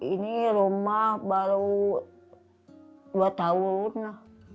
ini rumah baru dua tahun